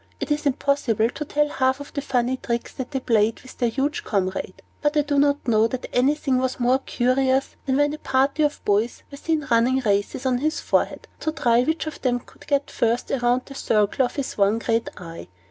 It is impossible to tell half of the funny tricks that they played with their huge comrade; but I do not know that anything was more curious than when a party of boys were seen running races on his forehead, to try which of them could get first round the circle of his one great eye.